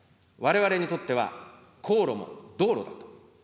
われわれにとっては、航路も道路だ。